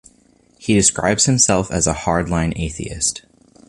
He describes himself as a "hard-line atheist".